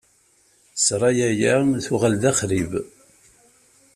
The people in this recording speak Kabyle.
Ssṛaya-ya tuɣal d axrib.